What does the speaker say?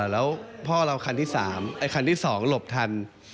แล้วพ่อเราคันที่๓ไอ้คันที่๒หลบทัน